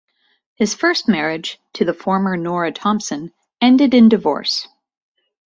His first marriage, to the former Norah Thompson, ended in divorce.